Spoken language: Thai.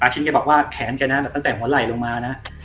ฉันแกบอกว่าแขนแกนะแบบตั้งแต่หัวไหล่ลงมานะ